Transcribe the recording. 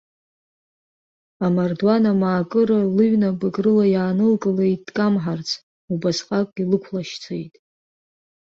Амардуан амаакыра лыҩнапык рыла иаанылкылеит дкамҳарц, убасҟак илықәлашьцеит.